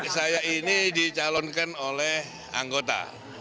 saya ini dicalonkan oleh anggota